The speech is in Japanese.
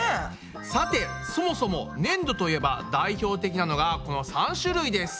さてそもそもねんどといえば代表的なのがこの３種類です。